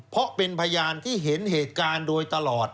เพราะเป็นพยานที่เห็นเหตุการณ์โดยตลอด